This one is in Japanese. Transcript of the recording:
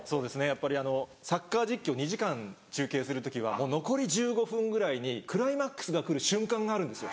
やっぱりサッカー実況２時間中継する時は残り１５分ぐらいにクライマックスが来る瞬間があるんです。